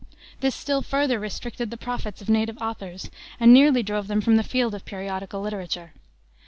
This still further restricted the profits of native authors and nearly drove them from the field of periodical literature.